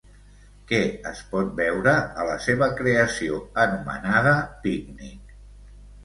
Què es pot veure a la seva creació anomenada Pícnic?